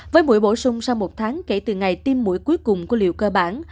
với mũi bổ sung sau một tháng kể từ ngày tiêm mũi cuối cùng của liều cơ bản